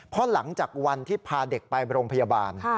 เพราะหลังจากวันที่พาเด็กไปโรงพยาบาล